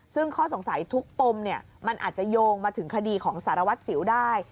ซึ่งข้อสงสัยทุกปมมันอาจจะโยงมาถึงคดีของสารวัตรสิวได้